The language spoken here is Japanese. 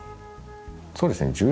そうですね。